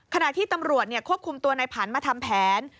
ขณะที่ตำรวจควบคุมตัวในผันมาทำแผน